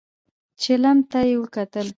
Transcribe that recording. چيلم ته يې وکتل.